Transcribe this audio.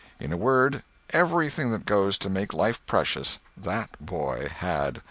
In a word, everything that goes to make life precious that boy had.